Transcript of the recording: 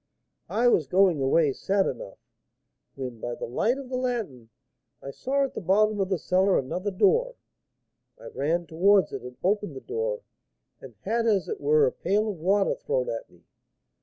I was going away sad enough, when, by the light of the lantern, I saw at the bottom of the cellar another door. I ran towards it and opened the door, and had, as it were, a pail of water thrown at me.